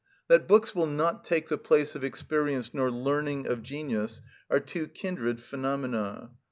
That books will not take the place of experience nor learning of genius are two kindred phenomena.